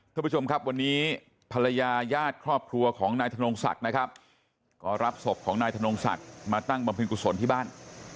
ท่านผู้ชมครับวันนี้ภรรยาญาติครอบครัวของนายธนงศักดิ์นะครับก็รับศพของนายธนงศักดิ์มาตั้งบำเพ็ญกุศลที่บ้าน